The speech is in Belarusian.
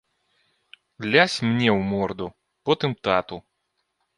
Лясь мне ў морду, потым тату.